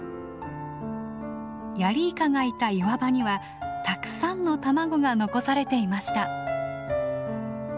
ヤリイカがいた岩場にはたくさんの卵が残されていました。